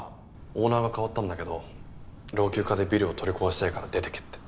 オーナーが代わったんだけど老朽化でビルを取り壊したいから出ていけって。